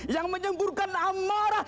yang menyemburkan amarah